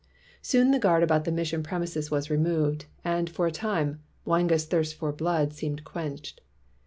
Soon the guard about the mission premises was removed; and, for a time, Mwanga's thirst for blood seemed quenched.